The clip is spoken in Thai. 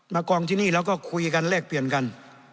กองที่นี่แล้วก็คุยกันแลกเปลี่ยนกัน